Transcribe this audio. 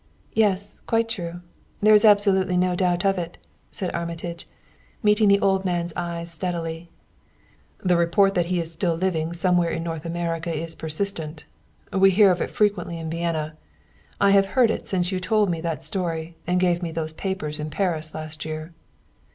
"Yes; quite true. There is absolutely no doubt of it," said Armitage, meeting the old man's eyes steadily. "The report that he is still living somewhere in North America is persistent. We hear it frequently in Vienna; I have heard it since you told me that story and gave me those papers in Paris last year."